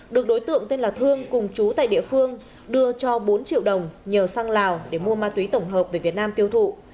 được đối tượng tên là thương cùng chú tại địa phương đưa cho bốn triệu đồng nhờ sang lào để mua ma túy tổng hợp về việt nam tiêu thụ